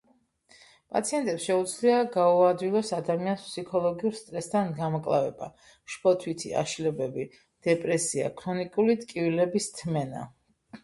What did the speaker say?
პაციენტებს შეუძლია გაუადვილოს ადამიანს ფსიქოლოგიურ სტრესთან გამკლავება, შფოთვითი აშლილობები, დეპრესია, ქრონიკული ტკივილების თმენა.